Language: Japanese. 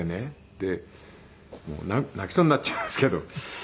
で泣きそうになっちゃいますけど。